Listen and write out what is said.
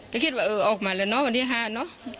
ไม่คิดว่าเออออกมาแล้วเนาะวันนี้ห้าเนาะ